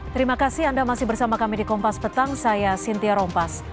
terima kasih anda masih bersama kami di kompas petang saya sintia rompas